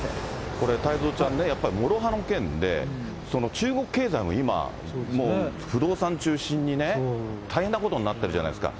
これ、太蔵ちゃんね、これもろ刃の剣で、中国経済も今、もう不動産中心にね、大変なことになってるじゃないですか。